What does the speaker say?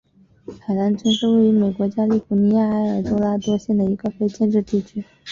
海兰村是位于美国加利福尼亚州埃尔多拉多县的一个非建制地区。